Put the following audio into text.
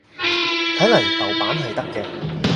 睇嚟豆瓣係得嘅